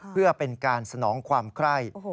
เพื่อเป็นการสนองความไคร่